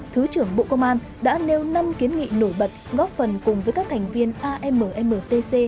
thứ trưởng bộ công an đã nêu năm kiến nghị nổi bật góp phần cùng với các thành viên ammtc